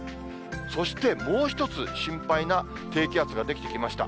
そしてもう一つ心配な低気圧が出来てきました。